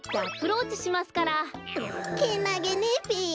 けなげねべ。